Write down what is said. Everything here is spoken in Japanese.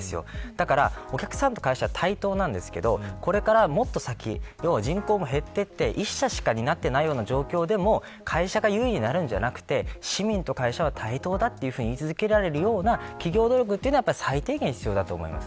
だからお客さんと会社は対等ですがもっと先、人口も減っていって１社しか担っていない状況でも会社が優位になるんじゃなくて市民と会社は対等だというふうに言い続けられるような企業努力は最低限、必要だと思います。